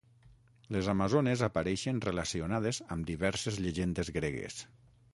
Les amazones apareixen relacionades amb diverses llegendes gregues.